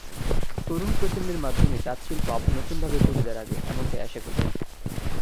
তরুণ প্রজন্মের মাধ্যমেই তাঁতশিল্প আবার নতুনভাবে ঘুরে দাঁড়াবে এমনটাই আশা করি।